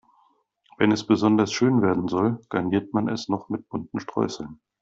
Wenn es besonders schön werden soll, garniert man es noch mit bunten Streuseln.